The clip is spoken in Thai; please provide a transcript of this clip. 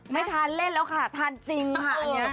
ไม่ทานเล่นแล้วค่ะทานจริงค่ะอันนี้